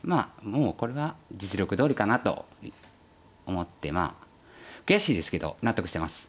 もうこれは実力どおりかなと思ってまあ悔しいですけど納得してます。